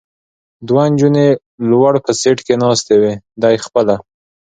دوه نجونې لوړ په سېټ کې ناستې وې، دی خپله.